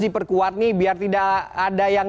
diperkuat nih biar tidak ada yang